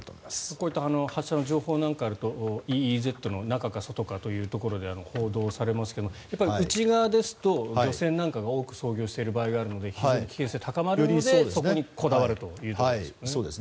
こういった発射の情報なんかがあるとＥＥＺの中か外かということで報道されますが内側ですと漁船なんかが多く操業している場合があるので非常に危険性があるのでそこにこだわるということですね。